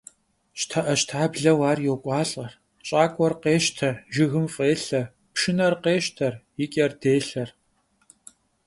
ЩтэӀэщтаблэу ар йокӀуалӀэ, щӀакӀуэр къещтэ, жыгым фӀелъэ, пшынэр къещтэр, и кӀэр делъэр.